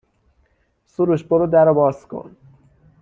سروش برو در رو باز کن